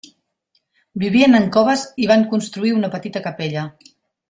Vivien en coves i van construir una petita capella.